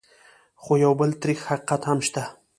خو یو بل تريخ حقیقت هم شته: